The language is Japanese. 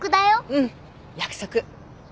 うん約束。